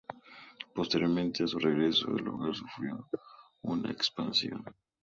Posterior a su regreso el lugar sufrió una expansión.